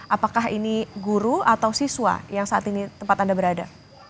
apakah ini guru atau siswa yang saat ini tempat anda berada